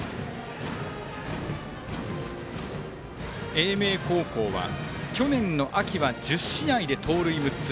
英明高校は去年の秋は１０試合で盗塁６つ。